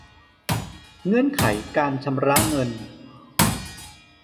เงื่อนไขการชำระเงิน